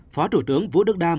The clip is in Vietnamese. phó thủ tướng vũ đức đam